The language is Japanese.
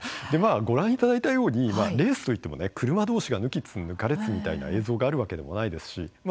ご覧いただいたようにレースといってもね、車どうしが抜きつ抜かれつみたいな映像があるわけでもないですしま